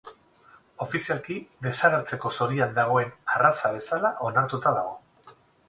Ofizialki desagertzeko zorian dagoen arraza bezala onartuta dago.